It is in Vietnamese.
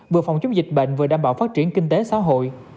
vừa phòng chống dịch bệnh vừa đảm bảo phát triển kinh tế xã hội